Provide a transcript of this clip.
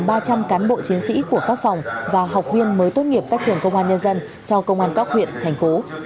các cán bộ chiến sĩ của các phòng và học viên mới tốt nghiệp các trường công an nhân dân cho công an các huyện thành phố